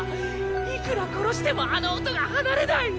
いくら殺してもあの音が離れない。